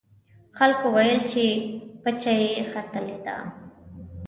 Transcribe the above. خلکو ویل چې پچه یې ختلې ده.